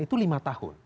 itu lima tahun